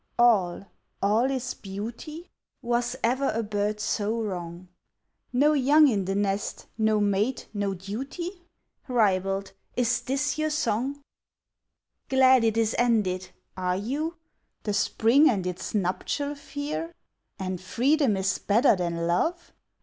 all all is beauty?" Was ever a bird so wrong! "No young in the nest, no mate, no duty?" Ribald! is this your song? "Glad it is ended," are you? The Spring and its nuptial fear? "And freedom is better than love?"